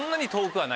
はい。